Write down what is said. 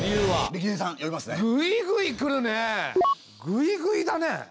ぐいぐいだねえ。